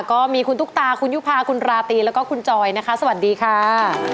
ก็มีคุณตุ๊กตาคุณยุภาคุณราตรีแล้วก็คุณจอยนะคะสวัสดีค่ะ